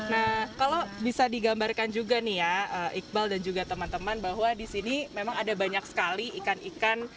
nah kalau bisa digambarkan juga nih ya iqbal dan juga teman teman bahwa di sini memang ada banyak sekali ikan ikan